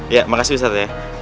ya makasih ustadz ya